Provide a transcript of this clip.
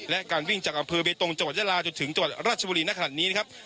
และการวิ่งจากอำเภอเบตงจังหวัดยาลาจนถึงจังหวัดราชบุรีในขณะนี้นะครับ